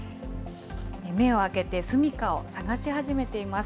目を開けてすみかを探し始めています。